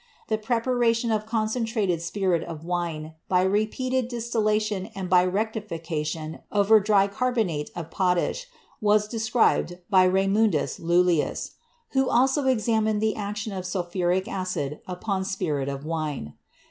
The preparation of concentrated spirit of wine by repeated distillation and by rectification over dry carbonate of potash was described by Raymundus Lullius, who also examined the action of sulphuric acid upon spirit of wine.